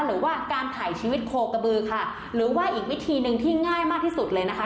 หรือว่าการถ่ายชีวิตโคกระบือค่ะหรือว่าอีกวิธีหนึ่งที่ง่ายมากที่สุดเลยนะคะ